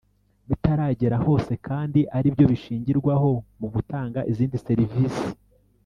bitaragera hose kandi aribyo bishingirwaho mu gutanga izindi serivisi